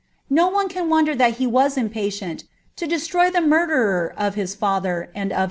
No one can won he waa impatient to destroy the murderer of bia father and of I I 1?